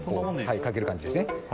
かける感じですね。